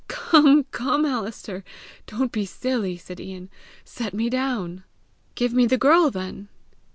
"Come! come, Alister! don't be silly!" said Ian. "Set me down!" "Give me the girl then."